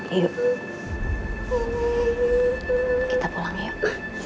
yuk kita pulang yuk